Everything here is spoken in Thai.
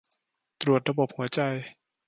ตรวจระบบหัวใจ